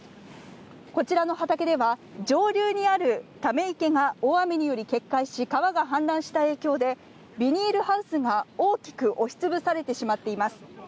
こちらの畑では、上流にあるため池が大雨により決壊し、川が氾濫した影響で、ビニールハウスが大きく押し潰されてしまっています。